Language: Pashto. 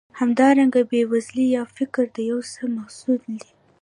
همدارنګه بېوزلي یا فقر د یو څه محصول دی.